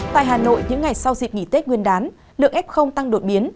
tại hà nội những ngày sau dịp nghỉ tết nguyên đán lượng f tăng đột biến